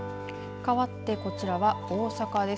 かわってこちらは大阪です。